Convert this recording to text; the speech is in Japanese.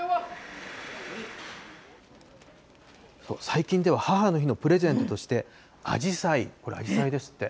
最近では母の日のプレゼントとして、アジサイ、これアジサイですって。